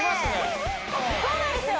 そうなんですよ